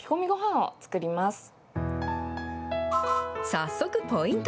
早速、ポイント。